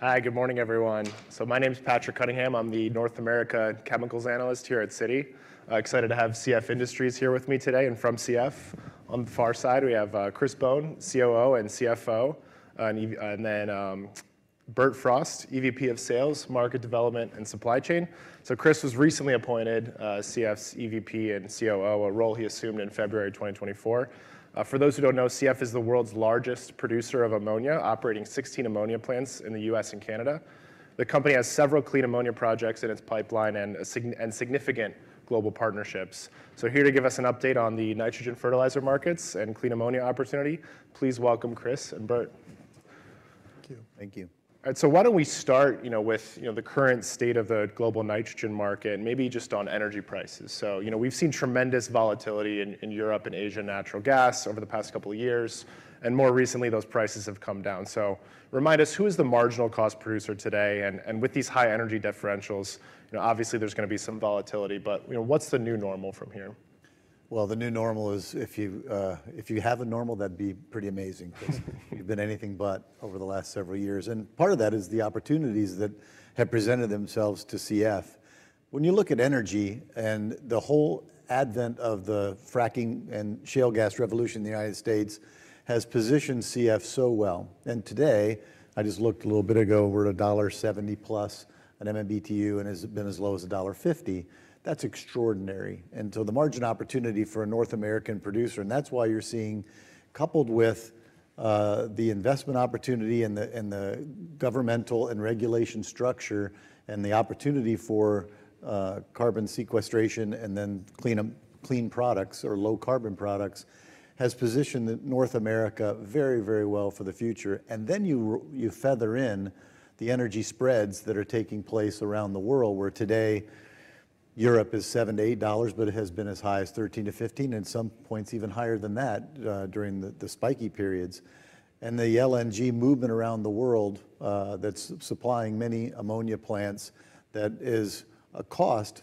Hi, good morning, everyone. So my name's Patrick Cunningham. I'm the North America Chemicals Analyst here at Citi. Excited to have CF Industries here with me today, and from CF, on the far side, we have Chris Bohn, COO and CFO, and then Bert Frost, EVP of Sales, Market Development, and Supply Chain. So Chris was recently appointed CF's EVP and COO, a role he assumed in February 2024. For those who don't know, CF is the world's largest producer of ammonia, operating 16 ammonia plants in the U.S. and Canada. The company has several clean ammonia projects in its pipeline and significant global partnerships. So here to give us an update on the nitrogen fertilizer markets and clean ammonia opportunity, please welcome Chris and Bert. Thank you. Thank you. Why don't we start, you know, with, you know, the current state of the global nitrogen market, and maybe just on energy prices. You know, we've seen tremendous volatility in Europe and Asia natural gas over the past couple of years, and more recently, those prices have come down. Remind us, who is the marginal cost producer today? And with these high energy differentials, you know, obviously there's gonna be some volatility, but, you know, what's the new normal from here? Well, the new normal is if you, if you have a normal, that'd be pretty amazing... because we've been anything but over the last several years, and part of that is the opportunities that have presented themselves to CF. When you look at energy and the whole advent of the fracking and shale gas revolution in the United States, has positioned CF so well. And today, I just looked a little bit ago, we're at $1.70 plus at MMBtu, and has been as low as $1.50. That's extraordinary. And so the margin opportunity for a North American producer, and that's why you're seeing, coupled with, the investment opportunity and the, and the governmental and regulation structure and the opportunity for, carbon sequestration and then clean up, clean products or low-carbon products, has positioned North America very, very well for the future. And then you feather in the energy spreads that are taking place around the world, where today, Europe is $7-$8, but it has been as high as $13-$15, and at some points even higher than that, during the spiky periods. And the LNG movement around the world, that's supplying many ammonia plants, that is a cost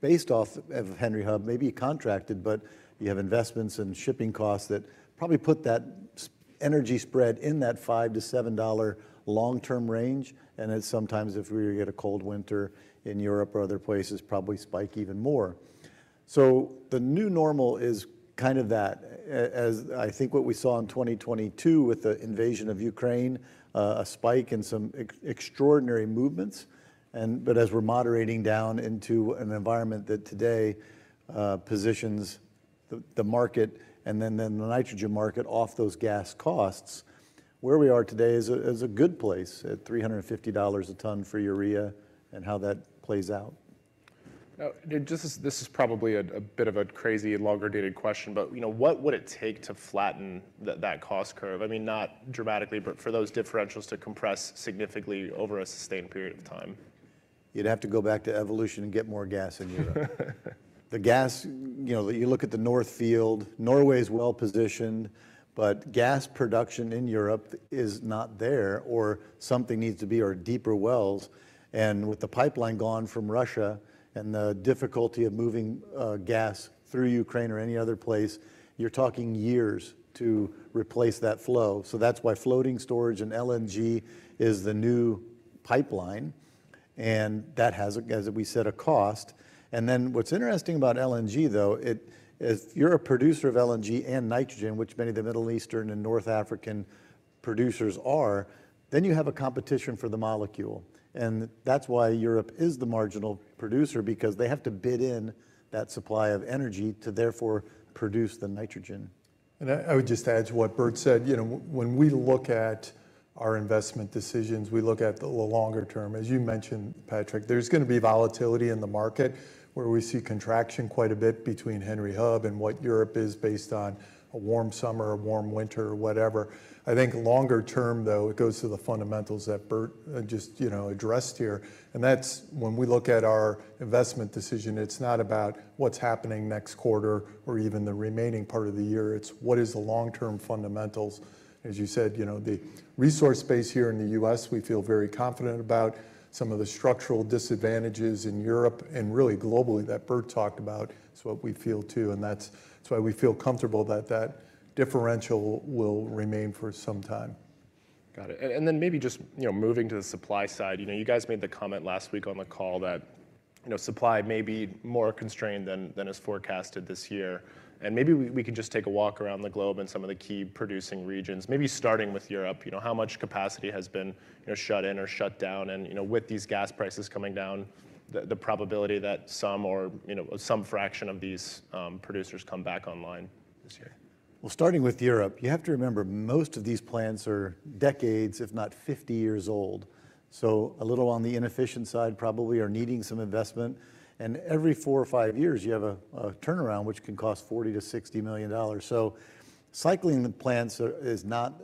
based off of Henry Hub, maybe contracted, but you have investments and shipping costs that probably put that energy spread in that $5-$7 long-term range, and then sometimes, if we get a cold winter in Europe or other places, probably spike even more. So the new normal is kind of that. As I think what we saw in 2022 with the invasion of Ukraine, a spike and some extraordinary movements, but as we're moderating down into an environment that today positions the market and then the nitrogen market off those gas costs, where we are today is a good place, at $350 a ton for urea and how that plays out. This is probably a bit of a crazy longer-dated question, but, you know, what would it take to flatten that cost curve? I mean, not dramatically, but for those differentials to compress significantly over a sustained period of time. You'd have to go back to evolution and get more gas in Europe. The gas, you know, you look at the North Field, Norway is well-positioned, but gas production in Europe is not there, or something needs to be, or deeper wells. And with the pipeline gone from Russia and the difficulty of moving gas through Ukraine or any other place, you're talking years to replace that flow. So that's why floating storage and LNG is the new pipeline, and that has, as we said, a cost. And then what's interesting about LNG, though, it, if you're a producer of LNG and nitrogen, which many of the Middle Eastern and North African producers are, then you have a competition for the molecule. And that's why Europe is the marginal producer, because they have to bid in that supply of energy to therefore produce the nitrogen. I would just add to what Bert said, you know, when we look at our investment decisions, we look at the longer term. As you mentioned, Patrick, there's gonna be volatility in the market, where we see contraction quite a bit between Henry Hub and what Europe is based on a warm summer, a warm winter, or whatever. I think longer term, though, it goes to the fundamentals that Bert just, you know, addressed here. And that's when we look at our investment decision, it's not about what's happening next quarter or even the remaining part of the year. It's what is the long-term fundamentals. As you said, you know, the resource base here in the U.S., we feel very confident about. Some of the structural disadvantages in Europe and really globally that Bert talked about is what we feel, too, and that's, that's why we feel comfortable that that differential will remain for some time. Got it. And then maybe just, you know, moving to the supply side, you know, you guys made the comment last week on the call that, you know, supply may be more constrained than is forecasted this year. And maybe we can just take a walk around the globe and some of the key producing regions, maybe starting with Europe. You know, how much capacity has been, you know, shut in or shut down and, you know, with these gas prices coming down, the probability that some or, you know, some fraction of these producers come back online this year? Well, starting with Europe, you have to remember, most of these plants are decades, if not 50 years old. So a little on the inefficient side, probably are needing some investment, and every 4 or 5 years, you have a turnaround, which can cost $40 million-$60 million. So cycling the plants are, is not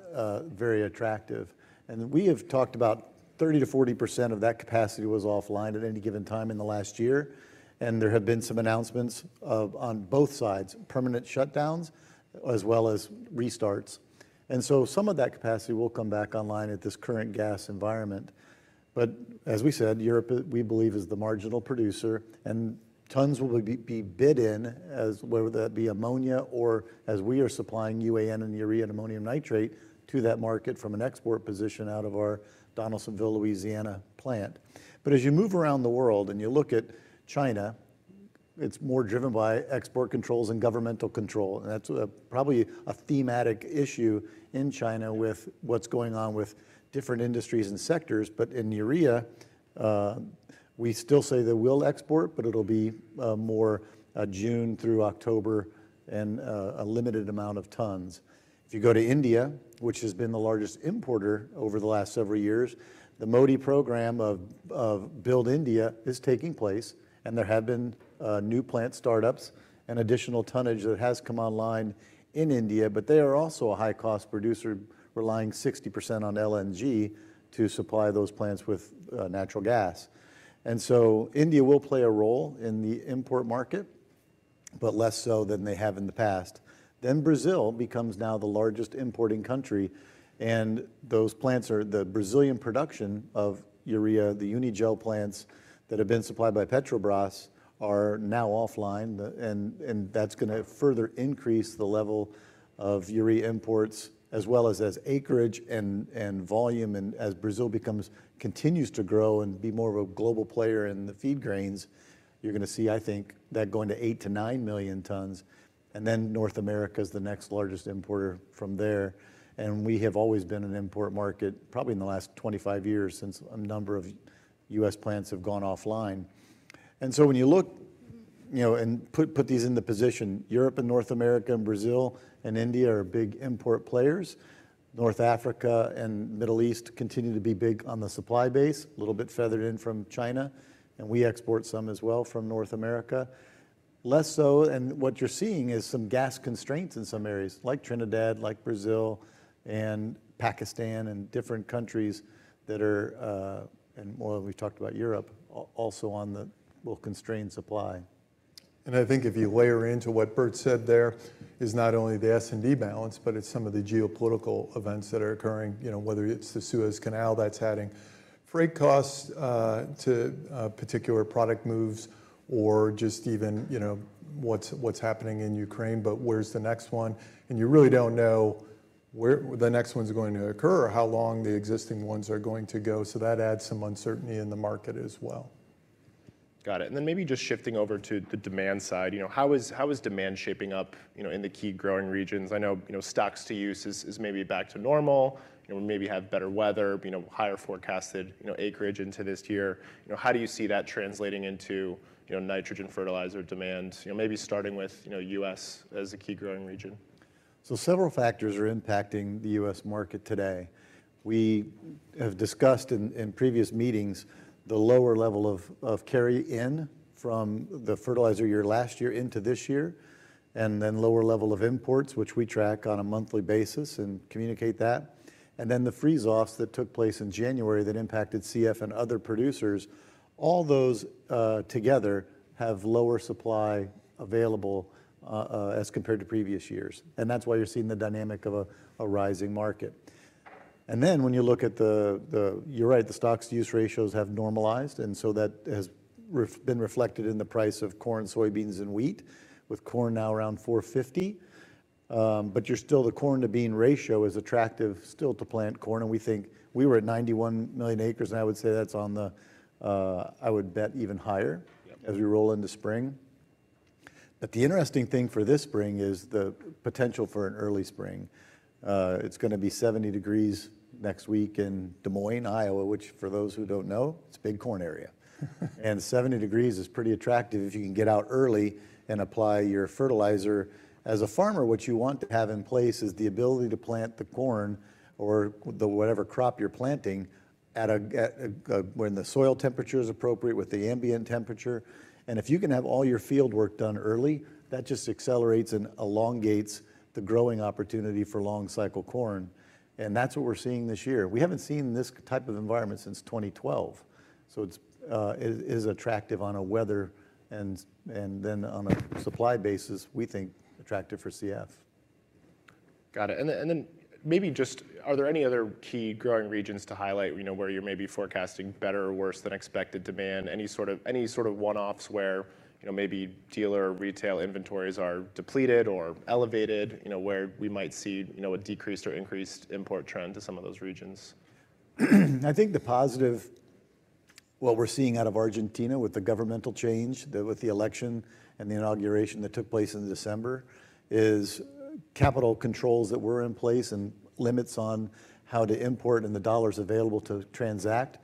very attractive. And we have talked about 30%-40% of that capacity was offline at any given time in the last year, and there have been some announcements of, on both sides, permanent shutdowns as well as restarts. And so some of that capacity will come back online at this current gas environment. But as we said, Europe, we believe, is the marginal producer, and tons will be bid in as, whether that be ammonia or as we are supplying UAN and urea and ammonium nitrate to that market from an export position out of our Donaldsonville, Louisiana plant. But as you move around the world and you look at China, it's more driven by export controls and governmental control, and that's probably a thematic issue in China with what's going on with different industries and sectors. But in urea, we still say they will export, but it'll be more June through October and a limited amount of tons. If you go to India, which has been the largest importer over the last several years, the Modi program of, of build India is taking place, and there have been new plant startups and additional tonnage that has come online in India. But they are also a high-cost producer, relying 60% on LNG to supply those plants with natural gas. And so India will play a role in the import market, but less so than they have in the past. Then Brazil becomes now the largest importing country, and those plants are. The Brazilian production of urea, the Unigel plants that have been supplied by Petrobras, are now offline. And that's gonna further increase the level of urea imports as well as acreage and volume. As Brazil becomes, continues to grow and be more of a global player in the feed grains, you're gonna see, I think, that going to 8-9 million tons. Then North America is the next largest importer from there, and we have always been an import market, probably in the last 25 years, since a number of U.S. plants have gone offline. So when you look, you know, and put, put these into position, Europe and North America and Brazil and India are big import players. North Africa and Middle East continue to be big on the supply base, a little bit feathered in from China, and we export some as well from North America. Less so, and what you're seeing is some gas constraints in some areas, like Trinidad, like Brazil and Pakistan and different countries that are... Well, we talked about Europe, also on the will constrain supply. I think if you layer into what Bert said, there is not only the S&D balance, but it's some of the geopolitical events that are occurring. You know, whether it's the Suez Canal that's adding freight costs to particular product moves, or just even, you know, what's happening in Ukraine. Where's the next one? And you really don't know where the next one's going to occur or how long the existing ones are going to go. That adds some uncertainty in the market as well. Got it. And then maybe just shifting over to the demand side, you know, how is, how is demand shaping up, you know, in the key growing regions? I know, you know, stocks-to-use is, is maybe back to normal. You know, maybe have better weather, you know, higher forecasted, you know, acreage into this year. You know, how do you see that translating into, you know, nitrogen fertilizer demand? You know, maybe starting with, you know, U.S. as a key growing region. Several factors are impacting the U.S. market today. We have discussed in previous meetings the lower level of carry-in from the fertilizer year last year into this year, and then lower level of imports, which we track on a monthly basis and communicate that, and then the freeze-offs that took place in January that impacted CF and other producers. All those together have lower supply available as compared to previous years, and that's why you're seeing the dynamic of a rising market. And then when you look at the... You're right, the stocks-to-use ratios have normalized, and so that has been reflected in the price of corn, soybeans, and wheat, with corn now around $4.50. But you're still, the corn-to-bean ratio is attractive still to plant corn, and we think we were at 91 million acres, and I would say that's on the, I would bet even higher- Yep... as we roll into spring. But the interesting thing for this spring is the potential for an early spring. It's gonna be 70 degrees Fahrenheit next week in Des Moines, Iowa, which, for those who don't know, it's a big corn area. And 70 degrees Fahrenheit is pretty attractive if you can get out early and apply your fertilizer. As a farmer, what you want to have in place is the ability to plant the corn or the whatever crop you're planting when the soil temperature is appropriate with the ambient temperature. And if you can have all your field work done early, that just accelerates and elongates the growing opportunity for long-cycle corn, and that's what we're seeing this year. We haven't seen this type of environment since 2012, so it's, it is attractive on a weather and then on a supply basis, we think attractive for CF. Got it. And then maybe just are there any other key growing regions to highlight, you know, where you're maybe forecasting better or worse than expected demand? Any sort of one-offs where, you know, maybe dealer or retail inventories are depleted or elevated, you know, where we might see, you know, a decreased or increased import trend to some of those regions? I think the positive, what we're seeing out of Argentina with the governmental change, with the election and the inauguration that took place in December, is capital controls that were in place and limits on how to import and the dollars available to transact,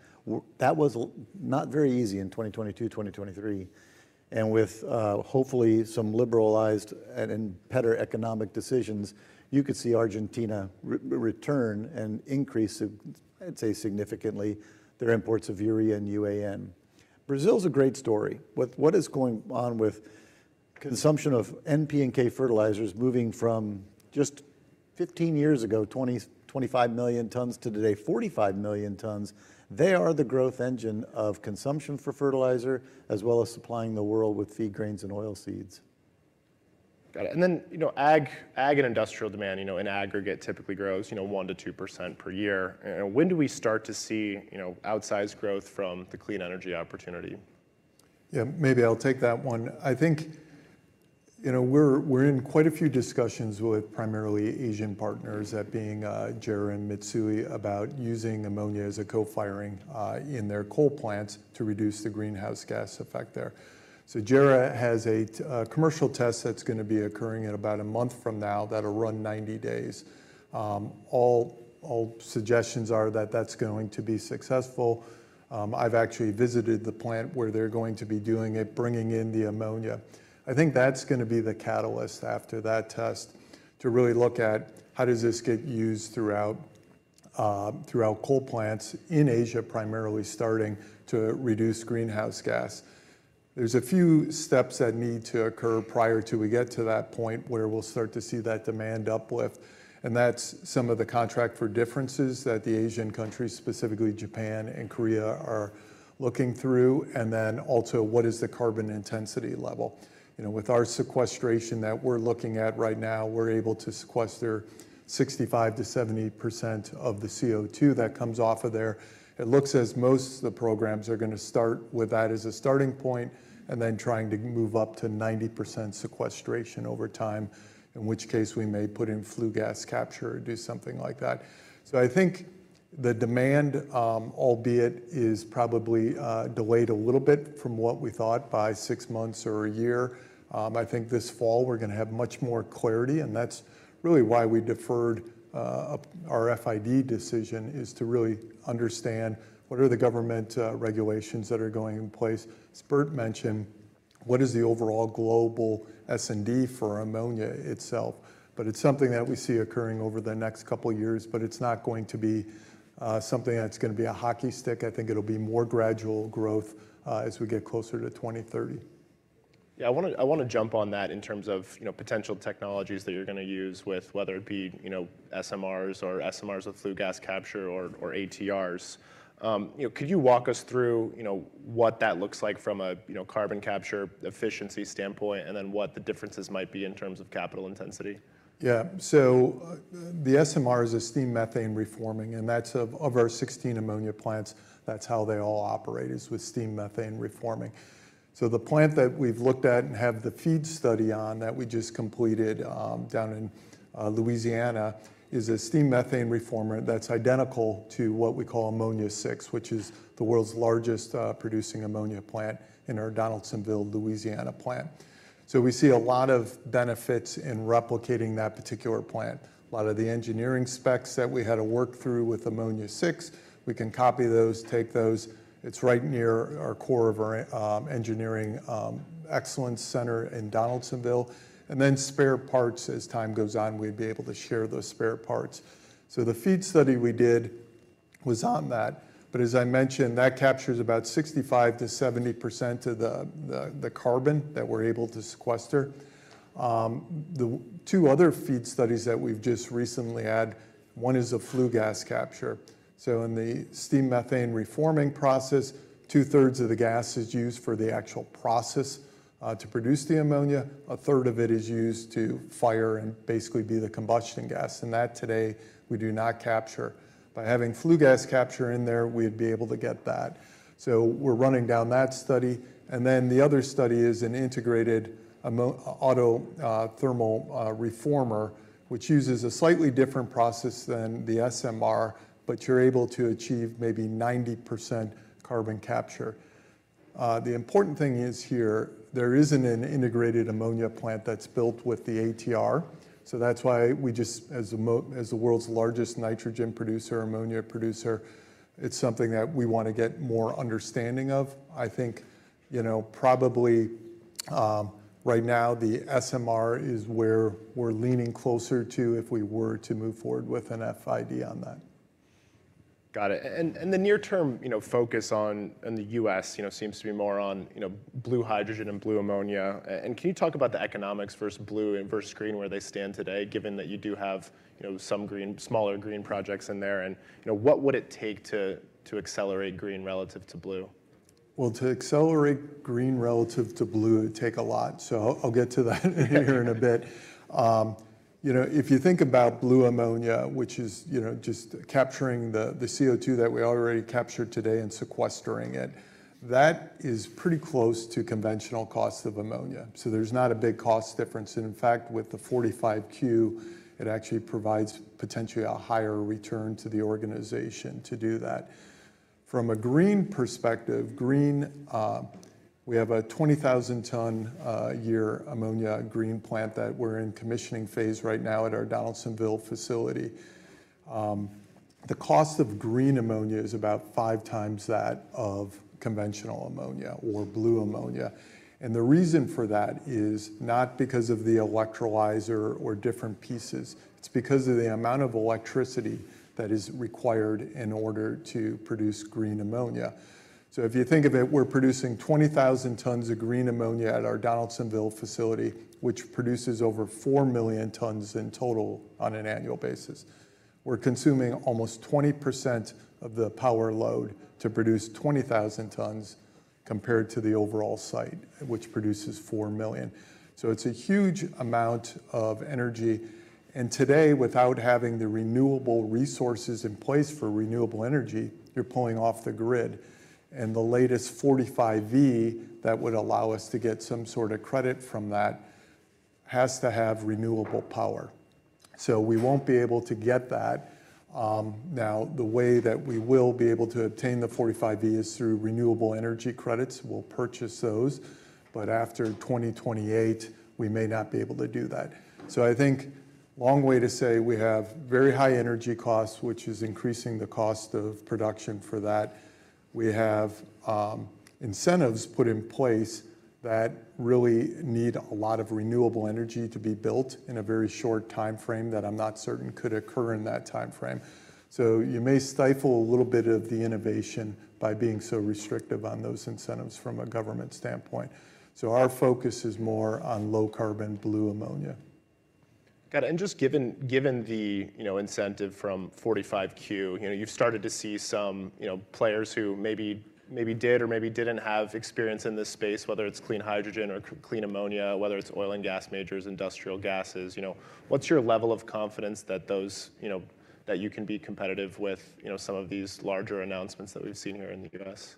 that was not very easy in 2022, 2023. And with hopefully some liberalized and better economic decisions, you could see Argentina return and increase, I'd say significantly, their imports of urea and UAN. Brazil is a great story. With what is going on with consumption of N, P, and K fertilizers moving from just 15 years ago, 20-25 million tons, to today, 45 million tons, they are the growth engine of consumption for fertilizer, as well as supplying the world with feed grains and oilseeds.... Got it. And then, you know, ag, ag and industrial demand, you know, in aggregate typically grows, you know, 1%-2% per year. When do we start to see, you know, outsized growth from the clean energy opportunity? Yeah, maybe I'll take that one. I think, you know, we're, we're in quite a few discussions with primarily Asian partners, that being, JERA and Mitsui, about using ammonia as a co-firing, in their coal plants to reduce the greenhouse gas effect there. So JERA has a commercial test that's gonna be occurring in about a month from now that'll run 90 days. All, all suggestions are that that's going to be successful. I've actually visited the plant where they're going to be doing it, bringing in the ammonia. I think that's gonna be the catalyst after that test, to really look at how does this get used throughout, throughout coal plants in Asia, primarily starting to reduce greenhouse gas. There's a few steps that need to occur prior to we get to that point where we'll start to see that demand uplift, and that's some of the contract for differences that the Asian countries, specifically Japan and Korea, are looking through. And then also, what is the carbon intensity level? You know, with our sequestration that we're looking at right now, we're able to sequester 65%-70% of the CO2 that comes off of there. It looks as most of the programs are gonna start with that as a starting point, and then trying to move up to 90% sequestration over time, in which case, we may put in flue gas capture or do something like that. So I think the demand, albeit is probably, delayed a little bit from what we thought by six months or a year. I think this fall we're gonna have much more clarity, and that's really why we deferred our FID decision, is to really understand what the government regulations that are going in place are. Bert mentioned what is the overall global S&D for ammonia itself? But it's something that we see occurring over the next couple of years, but it's not going to be something that's gonna be a hockey stick. I think it'll be more gradual growth as we get closer to 2030. Yeah, I wanna, I wanna jump on that in terms of, you know, potential technologies that you're gonna use with... whether it be, you know, SMRs or SMRs with flue gas capture or, or ATRs. You know, could you walk us through, you know, what that looks like from a, you know, carbon capture efficiency standpoint, and then what the differences might be in terms of capital intensity? Yeah. So, the SMR is a steam methane reforming, and that's of our 16 ammonia plants, that's how they all operate, is with steam methane reforming. So the plant that we've looked at and have the FEED study on, that we just completed, down in Louisiana, is a steam methane reformer that's identical to what we call Ammonia Six, which is the world's largest producing ammonia plant in our Donaldsonville, Louisiana plant. So we see a lot of benefits in replicating that particular plant. A lot of the engineering specs that we had to work through with Ammonia Six, we can copy those, take those. It's right near our core of our engineering excellence center in Donaldsonville. And then spare parts, as time goes on, we'd be able to share those spare parts. So the FEED study we did was on that, but as I mentioned, that captures about 65%-70% of the carbon that we're able to sequester. The two other FEED studies that we've just recently had, one is a flue gas capture. So in the steam methane reforming process, two-thirds of the gas is used for the actual process to produce the ammonia. A third of it is used to fire and basically be the combustion gas, and that today, we do not capture. By having flue gas capture in there, we'd be able to get that. So we're running down that study. And then the other study is an integrated autothermal reformer, which uses a slightly different process than the SMR, but you're able to achieve maybe 90% carbon capture. The important thing is here, there isn't an integrated ammonia plant that's built with the ATR, so that's why we just, as the world's largest nitrogen producer, ammonia producer, it's something that we want to get more understanding of. I think, you know, probably, right now, the SMR is where we're leaning closer to, if we were to move forward with an FID on that. Got it. And the near term, you know, focus on in the U.S., you know, seems to be more on, you know, blue hydrogen and blue ammonia. And can you talk about the economics versus blue and versus green, where they stand today, given that you do have, you know, some green, smaller green projects in there, and, you know, what would it take to accelerate green relative to blue? Well, to accelerate green relative to blue, it'd take a lot, so I'll get to that here in a bit. You know, if you think about blue ammonia, which is, you know, just capturing the CO2 that we already captured today and sequestering it, that is pretty close to conventional cost of ammonia, so there's not a big cost difference. And in fact, with the 45Q, it actually provides potentially a higher return to the organization to do that. From a green perspective, green, we have a 20,000-ton-a-year ammonia green plant that we're in commissioning phase right now at our Donaldsonville facility. The cost of green ammonia is about 5 times that of conventional ammonia or blue ammonia, and the reason for that is not because of the electrolyzer or different pieces. It's because of the amount of electricity that is required in order to produce green ammonia. So if you think of it, we're producing 20,000 tons of green ammonia at our Donaldsonville facility, which produces over 4 million tons in total on an annual basis. We're consuming almost 20% of the power load to produce 20,000 tons, compared to the overall site, which produces 4 million. So it's a huge amount of energy, and today, without having the renewable resources in place for renewable energy, you're pulling off the grid. The latest, 45V, that would allow us to get some sort of credit from that has to have renewable power, so we won't be able to get that. Now, the way that we will be able to obtain the 45Q is through renewable energy credits. We'll purchase those, but after 2028, we may not be able to do that. So I think long way to say, we have very high energy costs, which is increasing the cost of production for that. We have incentives put in place that really need a lot of renewable energy to be built in a very short timeframe that I'm not certain could occur in that timeframe. So you may stifle a little bit of the innovation by being so restrictive on those incentives from a government standpoint. So our focus is more on low carbon blue ammonia. Got it. Just given the, you know, incentive from 45Q, you know, you've started to see some, you know, players who maybe did or maybe didn't have experience in this space, whether it's clean hydrogen or clean ammonia, whether it's oil and gas majors, industrial gases, you know. What's your level of confidence that those, you know, that you can be competitive with, you know, some of these larger announcements that we've seen here in the US?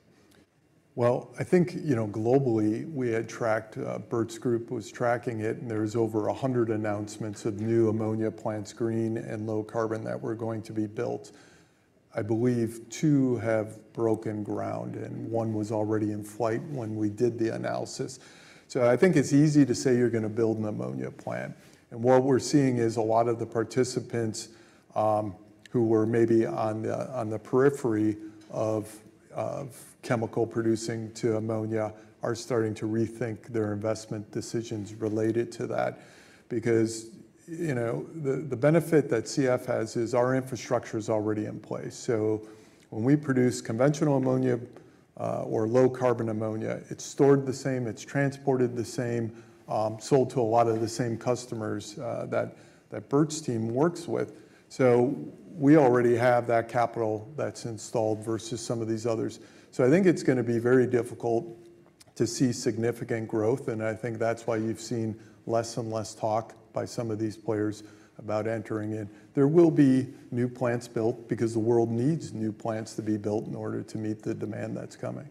Well, I think, you know, globally, we had tracked, Bert's group was tracking it, and there was over 100 announcements of new ammonia plants, green and low carbon, that were going to be built. I believe two have broken ground, and one was already in flight when we did the analysis. So I think it's easy to say you're gonna build an ammonia plant, and what we're seeing is a lot of the participants, who were maybe on the, on the periphery of, of chemical producing to ammonia, are starting to rethink their investment decisions related to that. Because, you know, the, the benefit that CF has is our infrastructure is already in place. So when we produce conventional ammonia, or low-carbon ammonia, it's stored the same, it's transported the same, sold to a lot of the same customers, that Bert's team works with. So we already have that capital that's installed versus some of these others. So I think it's gonna be very difficult to see significant growth, and I think that's why you've seen less and less talk by some of these players about entering in. There will be new plants built because the world needs new plants to be built in order to meet the demand that's coming.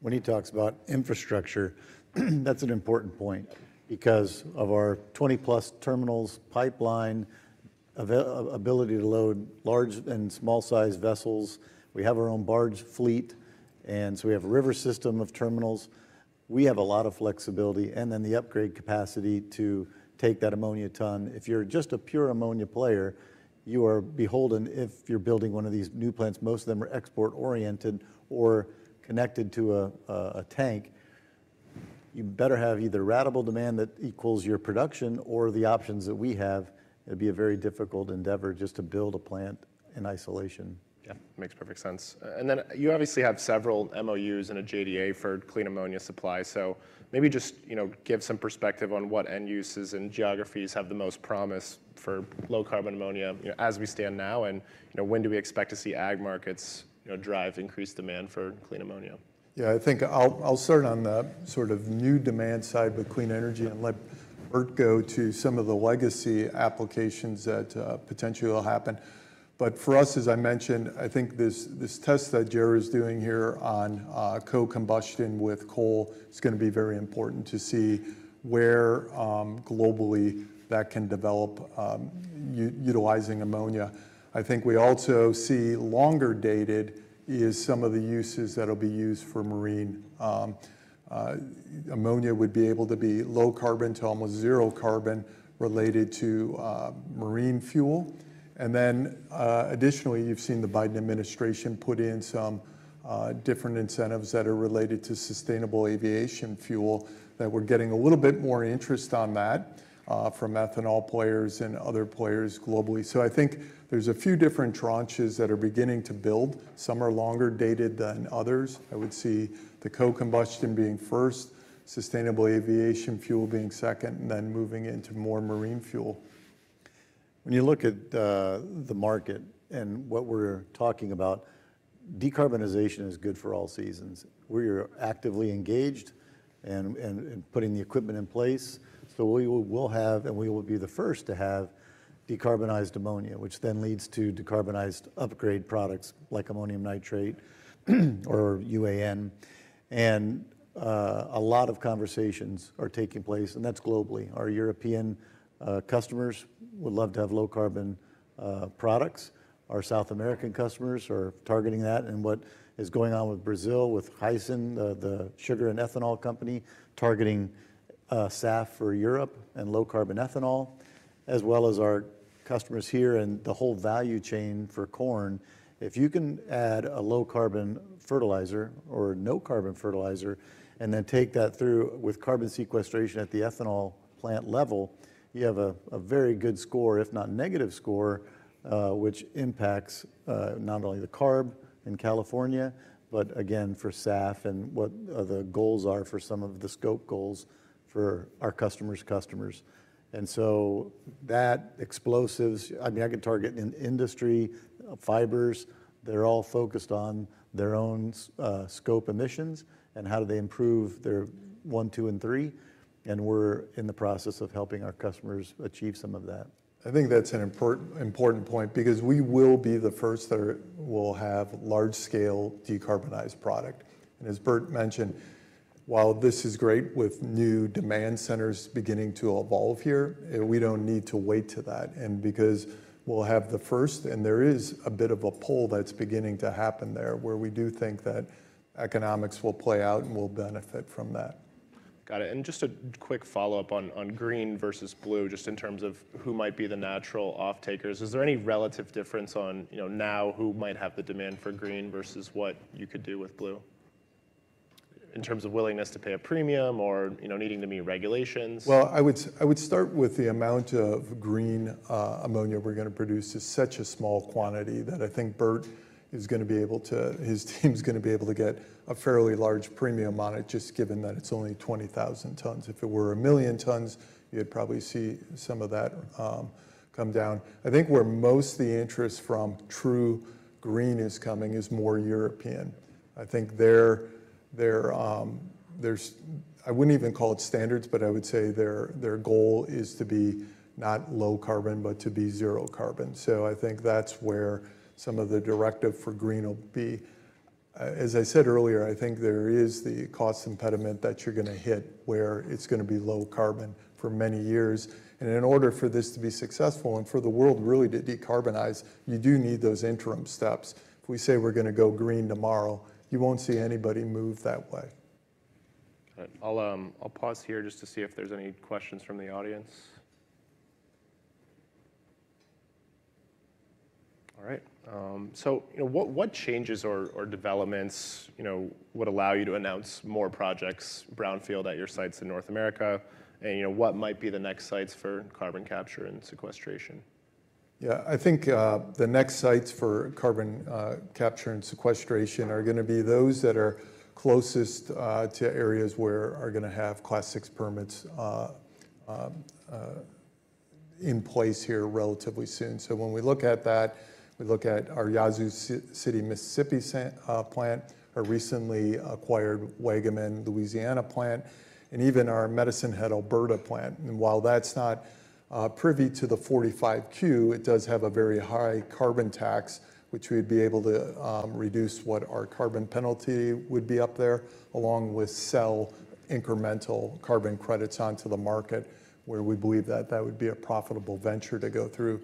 When he talks about infrastructure, that's an important point because of our 20-plus terminals, pipeline, availability to load large and small-sized vessels. We have our own barge fleet, and so we have a river system of terminals. We have a lot of flexibility, and then the upgrade capacity to take that ammonia ton. If you're just a pure ammonia player, you are beholden if you're building one of these new plants, most of them are export-oriented or connected to a tank. You better have either ratable demand that equals your production or the options that we have. It'd be a very difficult endeavor just to build a plant in isolation. Yeah, makes perfect sense. And then you obviously have several MOUs and a JDA for clean ammonia supply, so maybe just, you know, give some perspective on what end uses and geographies have the most promise for low-carbon ammonia, you know, as we stand now, and, you know, when do we expect to see ag markets, you know, drive increased demand for clean ammonia? Yeah, I think I'll, I'll start on the sort of new demand side with clean energy and let Bert go to some of the legacy applications that potentially will happen. But for us, as I mentioned, I think this, this test that JERA is doing here on co-combustion with coal is gonna be very important to see where globally that can develop utilizing ammonia. I think we also see longer dated is some of the uses that'll be used for marine. Ammonia would be able to be low carbon to almost zero carbon related to marine fuel. And then additionally, you've seen the Biden administration put in some different incentives that are related to sustainable aviation fuel, that we're getting a little bit more interest on that from ethanol players and other players globally. I think there's a few different tranches that are beginning to build. Some are longer dated than others. I would see the co-combustion being first, sustainable aviation fuel being second, and then moving into more marine fuel. When you look at the market and what we're talking about, decarbonization is good for all seasons. We're actively engaged and putting the equipment in place. So we will have, and we will be the first to have decarbonized ammonia, which then leads to decarbonized upgrade products like ammonium nitrate, or UAN, and a lot of conversations are taking place, and that's globally. Our European customers would love to have low-carbon products. Our South American customers are targeting that. And what is going on with Brazil, with Raízen, the sugar and ethanol company, targeting SAF for Europe and low-carbon ethanol, as well as our customers here and the whole value chain for corn. If you can add a low-carbon fertilizer or no-carbon fertilizer and then take that through with carbon sequestration at the ethanol plant level, you have a very good score, if not negative score, which impacts not only the CARB in California, but again, for SAF and what the goals are for some of the scope goals for our customers' customers. And so that, explosives, I mean, I could target industry, fibers, they're all focused on their own scope emissions and how do they improve their one, two, and three, and we're in the process of helping our customers achieve some of that. I think that's an important point because we will be the first that will have large-scale decarbonized product. And as Bert mentioned, while this is great with new demand centers beginning to evolve here, we don't need to wait to that. And because we'll have the first, and there is a bit of a pull that's beginning to happen there, where we do think that economics will play out, and we'll benefit from that. Got it, and just a quick follow-up on green versus blue, just in terms of who might be the natural offtakers. Is there any relative difference on, you know, now, who might have the demand for green versus what you could do with blue? In terms of willingness to pay a premium or, you know, needing to meet regulations. Well, I would start with the amount of green ammonia we're going to produce is such a small quantity, that I think Bert is going to be able to, his team's going to be able to get a fairly large premium on it, just given that it's only 20,000 tons. If it were a million tons, you'd probably see some of that come down. I think where most of the interest from true green is coming is more European. I think their, their, their, I wouldn't even call it standards, but I would say their, their goal is to be not low carbon, but to be zero carbon. So I think that's where some of the directive for green will be. As I said earlier, I think there is the cost impediment that you're going to hit, where it's going to be low carbon for many years. And in order for this to be successful and for the world really to decarbonize, you do need those interim steps. If we say we're going to go green tomorrow, you won't see anybody move that way. Got it. I'll pause here just to see if there's any questions from the audience. All right, so, you know, what changes or developments, you know, would allow you to announce more projects, brownfield, at your sites in North America? And, you know, what might be the next sites for carbon capture and sequestration? Yeah, I think the next sites for carbon capture and sequestration are gonna be those that are closest to areas where are gonna have Class VI permits in place here relatively soon. So when we look at that, we look at our Yazoo City, Mississippi plant, our recently acquired Waggaman, Louisiana plant, and even our Medicine Hat, Alberta plant. And while that's not privy to the 45Q, it does have a very high carbon tax, which we'd be able to reduce what our carbon penalty would be up there, along with sell incremental carbon credits onto the market, where we believe that that would be a profitable venture to go through.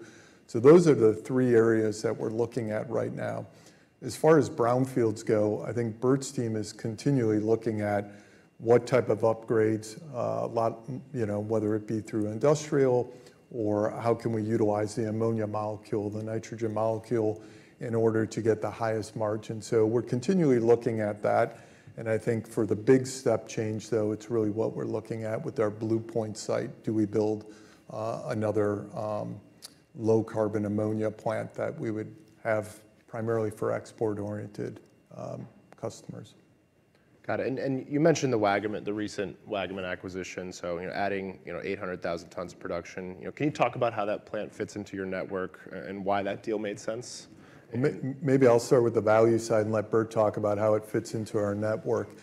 So those are the three areas that we're looking at right now. As far as brownfields go, I think Bert's team is continually looking at what type of upgrades. You know, whether it be through industrial or how can we utilize the ammonia molecule, the nitrogen molecule, in order to get the highest margin? So we're continually looking at that, and I think for the big step change, though, it's really what we're looking at with our Blue Point site. Do we build another low-carbon ammonia plant that we would have primarily for export-oriented customers? Got it. And you mentioned the Waggaman, the recent Waggaman acquisition, so, you know, adding, you know, 800,000 tons of production. You know, can you talk about how that plant fits into your network and why that deal made sense? Maybe I'll start with the value side and let Bert talk about how it fits into our network.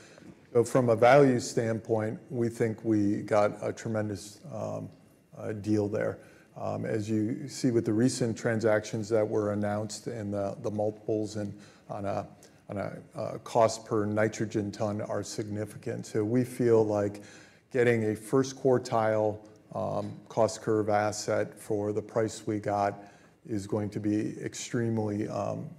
But from a value standpoint, we think we got a tremendous deal there. As you see with the recent transactions that were announced and the multiples and on a cost per nitrogen ton are significant. So we feel like getting a first quartile cost curve asset for the price we got is going to be extremely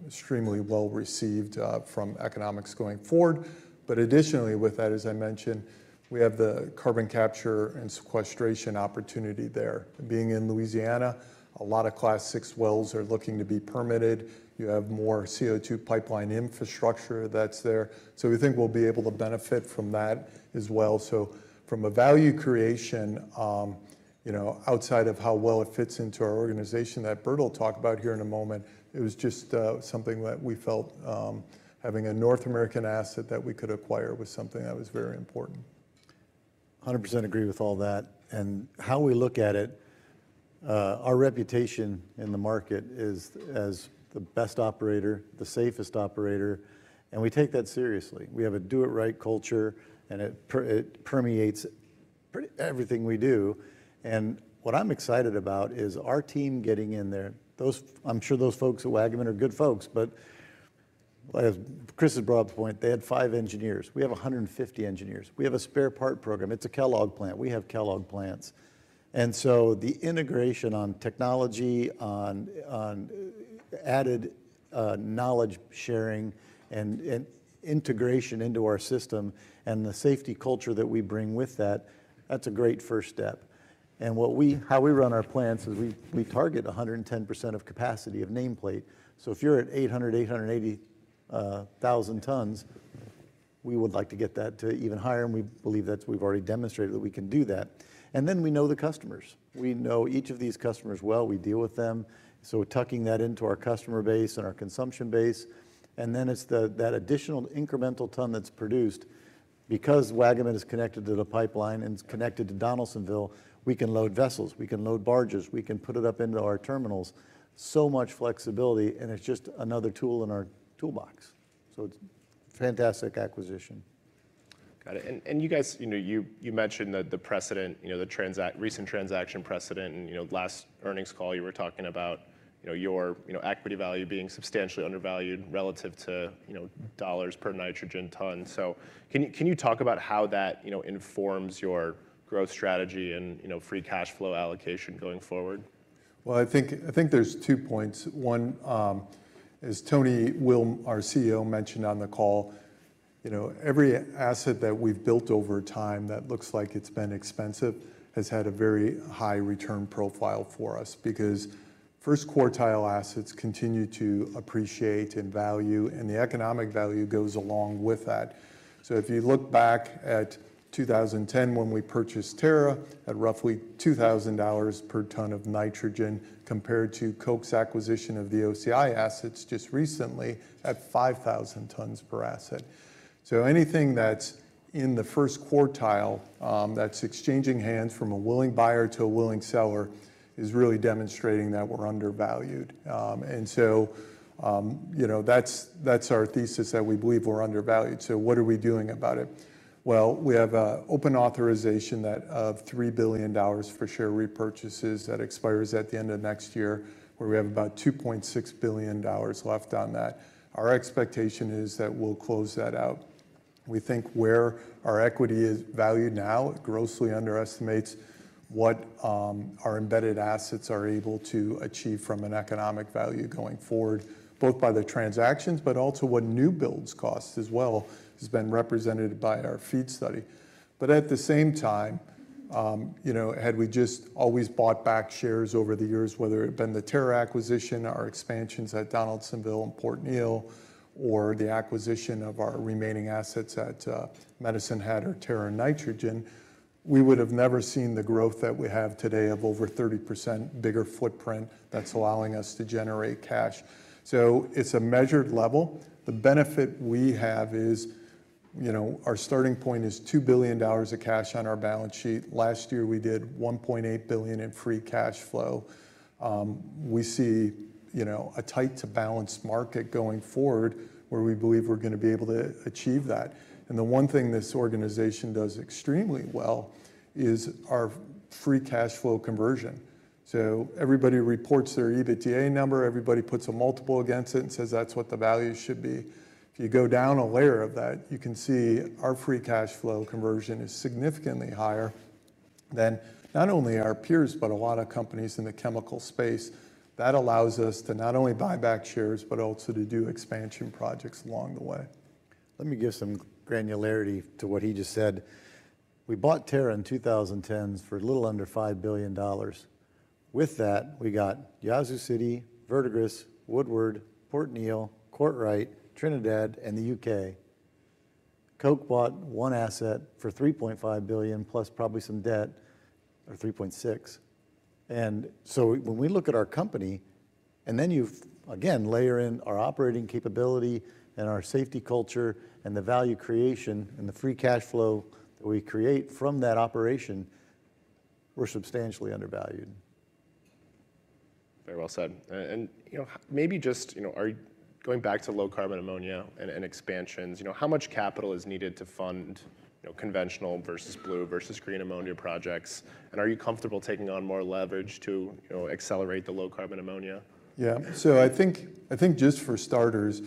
extremely well-received from economics going forward. But additionally, with that, as I mentioned, we have the carbon capture and sequestration opportunity there. Being in Louisiana, a lot of Class VI wells are looking to be permitted. You have more CO2 pipeline infrastructure that's there. So we think we'll be able to benefit from that as well. So from a value creation, you know, outside of how well it fits into our organization, that Bert will talk about here in a moment, it was just, something that we felt, having a North American asset that we could acquire was something that was very important. 100% agree with all that, and how we look at it, our reputation in the market is as the best operator, the safest operator, and we take that seriously. We have a do-it-right culture, and it permeates pretty everything we do. And what I'm excited about is our team getting in there. I'm sure those folks at Waggaman are good folks, but as Chris has brought up the point, they had five engineers. We have 150 engineers. We have a spare part program. It's a Kellogg plant. We have Kellogg plants. And so the integration on technology, on added knowledge sharing, and integration into our system and the safety culture that we bring with that, that's a great first step. What we—how we run our plants is we target 110% of capacity of nameplate. So if you're at 800, 880 thousand tons, we would like to get that to even higher, and we believe that we've already demonstrated that we can do that. Then we know the customers. We know each of these customers well. We deal with them, so we're tucking that into our customer base and our consumption base. Then it's that additional incremental ton that's produced. Because Waggaman is connected to the pipeline, and it's connected to Donaldsonville, we can load vessels, we can load barges, we can put it up into our terminals. So much flexibility, and it's just another tool in our toolbox. So it's a fantastic acquisition.... Got it. And you guys, you know, you mentioned that the precedent, you know, the recent transaction precedent, and, you know, last earnings call, you were talking about, you know, your equity value being substantially undervalued relative to, you know, dollars per nitrogen ton. So can you talk about how that, you know, informs your growth strategy and, you know, free cash flow allocation going forward? Well, I think, I think there's two points: One, as Tony Will, our CEO, mentioned on the call, you know, every asset that we've built over time that looks like it's been expensive, has had a very high return profile for us, because first quartile assets continue to appreciate in value, and the economic value goes along with that. So if you look back at 2010, when we purchased Terra at roughly $2,000 per ton of nitrogen, compared to Koch's acquisition of the OCI assets just recently at 5,000 tons per asset. So anything that's in the first quartile, that's exchanging hands from a willing buyer to a willing seller is really demonstrating that we're undervalued. And so, you know, that's, that's our thesis that we believe we're undervalued. So what are we doing about it? Well, we have an open authorization of $3 billion for share repurchases that expires at the end of next year, where we have about $2.6 billion left on that. Our expectation is that we'll close that out. We think where our equity is valued now grossly underestimates what our embedded assets are able to achieve from an economic value going forward, both by the transactions, but also what new builds cost as well, has been represented by our FEED study. But at the same time, you know, had we just always bought back shares over the years, whether it had been the Terra acquisition or expansions at Donaldsonville and Port Neal, or the acquisition of our remaining assets at Medicine Hat or Terra Nitrogen, we would have never seen the growth that we have today of over 30% bigger footprint that's allowing us to generate cash. So it's a measured level. The benefit we have is, you know, our starting point is $2 billion of cash on our balance sheet. Last year, we did $1.8 billion in free cash flow. We see, you know, a tight to balanced market going forward, where we believe we're gonna be able to achieve that. And the one thing this organization does extremely well is our free cash flow conversion. Everybody reports their EBITDA number, everybody puts a multiple against it and says that's what the value should be. If you go down a layer of that, you can see our free cash flow conversion is significantly higher than not only our peers, but a lot of companies in the chemical space. That allows us to not only buy back shares, but also to do expansion projects along the way. Let me give some granularity to what he just said. We bought Terra in 2010 for a little under $5 billion. With that, we got Yazoo City, Verdigris, Woodward, Port Neal, Courtright, Trinidad, and the UK. Koch bought one asset for $3.5 billion, plus probably some debt, or $3.6 billion. And so when we look at our company, and then you've, again, layer in our operating capability and our safety culture and the value creation and the free cash flow that we create from that operation, we're substantially undervalued. Very well said. You know, maybe just going back to low carbon ammonia and expansions, you know, how much capital is needed to fund, you know, conventional versus blue versus green ammonia projects? Are you comfortable taking on more leverage to, you know, accelerate the low carbon ammonia? Yeah. So I think, I think just for starters,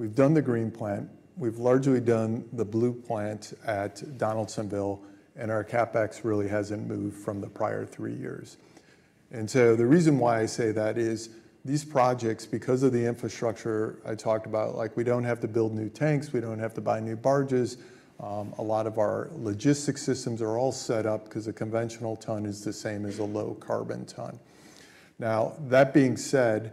we've done the green plant, we've largely done the blue plant at Donaldsonville, and our CapEx really hasn't moved from the prior three years. And so the reason why I say that is these projects, because of the infrastructure I talked about, like, we don't have to build new tanks, we don't have to buy new barges. A lot of our logistics systems are all set up 'cause a conventional ton is the same as a low carbon ton. Now, that being said,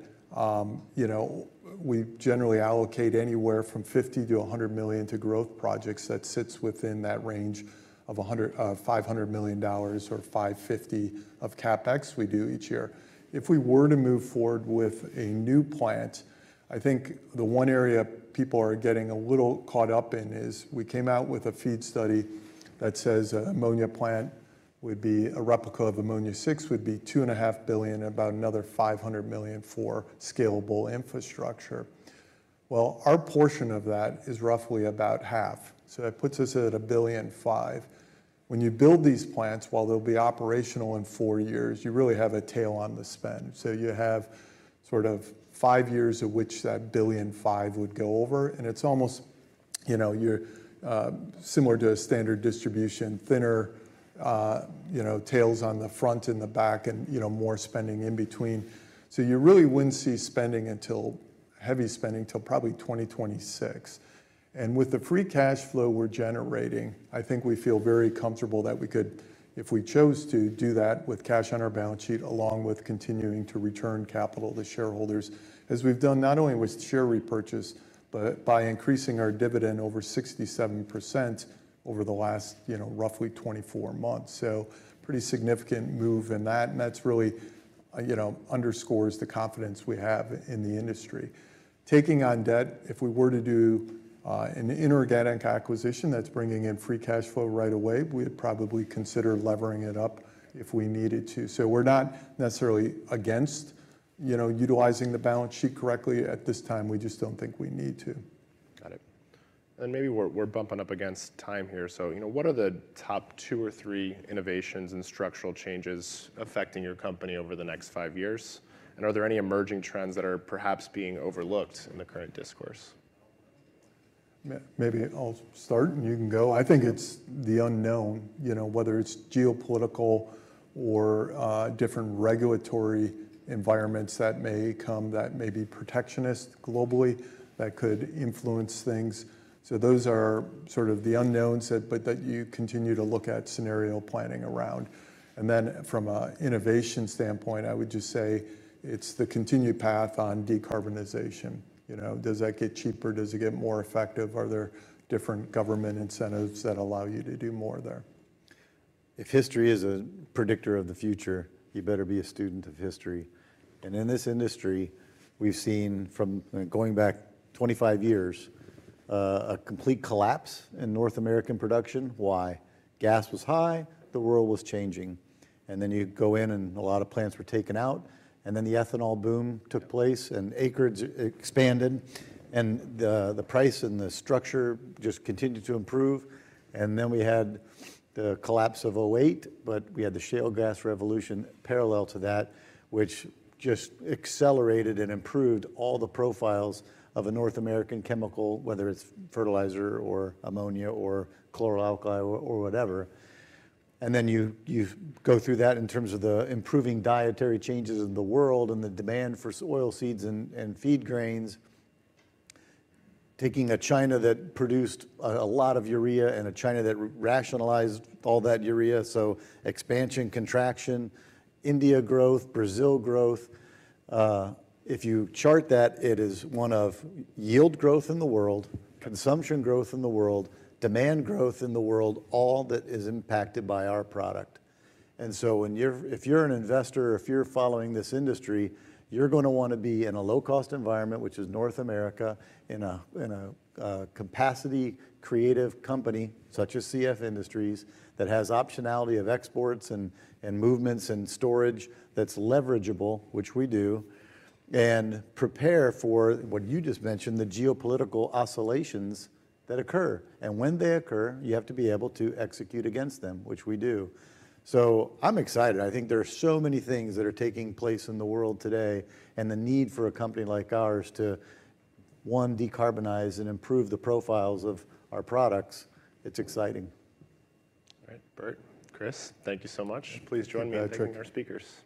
you know, we generally allocate anywhere from $50 million-$100 million to growth projects that sits within that range of $100-$500 million or $550 million of CapEx we do each year. If we were to move forward with a new plant, I think the one area people are getting a little caught up in is we came out with a FEED study that says an ammonia plant would be a replica of Ammonia Six, would be $2.5 billion, about another $500 million for scalable infrastructure. Well, our portion of that is roughly about half, so that puts us at a $1 billion and $5 million. When you build these plants, while they'll be operational in 4 years, you really have a tail on the spend. So you have sort of 5 years of which that $1 billion and $5 million would go over, and it's almost, you know, you're similar to a standard distribution, thinner, you know, tails on the front and the back and, you know, more spending in between. So you really wouldn't see spending until heavy spending till probably 2026. And with the free cash flow we're generating, I think we feel very comfortable that we could, if we chose to, do that with cash on our balance sheet, along with continuing to return capital to shareholders, as we've done not only with share repurchase, but by increasing our dividend over 67% over the last, you know, roughly 24 months. So pretty significant move in that, and that's really, you know, underscores the confidence we have in the industry. Taking on debt, if we were to do an inorganic acquisition that's bringing in free cash flow right away, we'd probably consider levering it up if we needed to. So we're not necessarily against.... you know, utilizing the balance sheet correctly. At this time, we just don't think we need to. Got it. And maybe we're bumping up against time here, so, you know, what are the top two or three innovations and structural changes affecting your company over the next five years? And are there any emerging trends that are perhaps being overlooked in the current discourse? Maybe I'll start, and you can go. I think it's the unknown, you know, whether it's geopolitical or different regulatory environments that may come, that may be protectionist globally, that could influence things. So those are sort of the unknowns that but that you continue to look at scenario planning around. And then from a innovation standpoint, I would just say it's the continued path on decarbonization. You know, does that get cheaper? Does it get more effective? Are there different government incentives that allow you to do more there? If history is a predictor of the future, you better be a student of history. And in this industry, we've seen, from going back 25 years, a complete collapse in North American production. Why? Gas was high, the world was changing. And then you go in, and a lot of plants were taken out, and then the ethanol boom took place, and acreage expanded, and the price and the structure just continued to improve. And then we had the collapse of 2008, but we had the shale gas revolution parallel to that, which just accelerated and improved all the profiles of a North American chemical, whether it's fertilizer or ammonia or chloralkali or whatever. And then you go through that in terms of the improving dietary changes in the world and the demand for oil seeds and feed grains. Taking a China that produced a lot of urea and a China that rationalized all that urea, so expansion, contraction, India growth, Brazil growth, if you chart that, it is one of the yield growth in the world, consumption growth in the world, demand growth in the world, all that is impacted by our product. And so when you're if you're an investor or if you're following this industry, you're gonna wanna be in a low-cost environment, which is North America, in a capacity-creative company, such as CF Industries, that has optionality of exports and movements and storage that's leverageable, which we do, and prepare for what you just mentioned, the geopolitical oscillations that occur. And when they occur, you have to be able to execute against them, which we do. So I'm excited. I think there are so many things that are taking place in the world today, and the need for a company like ours to, one, decarbonize and improve the profiles of our products. It's exciting. All right. Bert, Chris, thank you so much. Thank you, Patrick. Please join me in thanking our speakers.